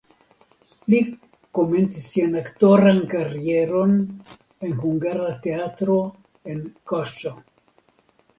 Li komencis sian aktoran karieron en Hungara Teatro en Kassa.